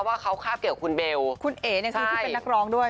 ว่าเขาคาบเกี่ยวกับคุณเบลคุณเอ๋เนี่ยคือที่เป็นนักร้องด้วย